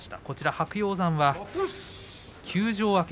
白鷹山は休場明け。